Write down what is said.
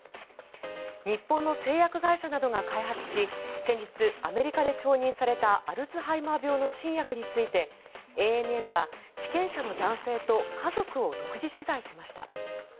日本の製薬会社などが開発し先日、アメリカで承認されたアルツハイマー病の新薬についてＡＮＮは治験者の男性と家族を独自取材しました。